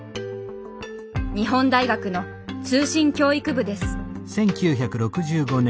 日本大学の通信教育部です。